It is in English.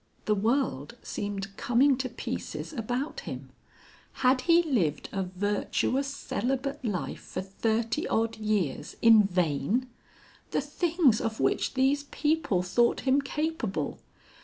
The world seemed coming to pieces about him. Had he lived a virtuous celibate life for thirty odd years in vain? The things of which these people thought him capable!